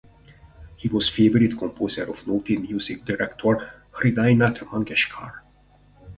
He was favorite composer of noted music director Hridaynath Mangeshkar.